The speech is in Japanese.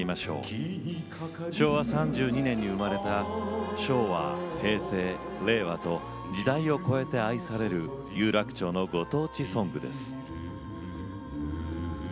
昭和３２年に生まれた昭和平成令和と時代を超えて愛される有楽町のご当地ソングです。